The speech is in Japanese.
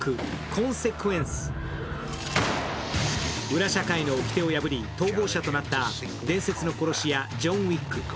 裏社会のおきてを破り、逃亡者となった伝説の殺し屋、ジョン・ウィック。